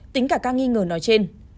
tính cả ca nghi ngờ nói trên